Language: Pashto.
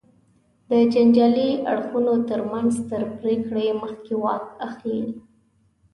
د جنجالي اړخونو تر منځ تر پرېکړې مخکې واک اخلي.